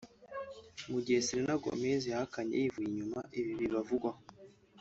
Mu gihe Selena Gomez yahakanye yivuye inyuma ibi bibavugwaho